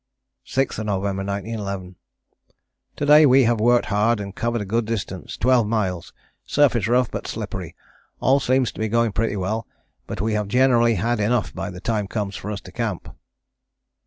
"6th November 1911. "To day we have worked hard and covered a good distance 12 miles, surface rough but slippery, all seems to be going pretty well, but we have generally had enough by the time comes for us to camp.